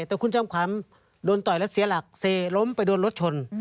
แต่คุณจอมขวัญโดนต่อยแล้วเสียหลักเซล้มไปโดนรถชน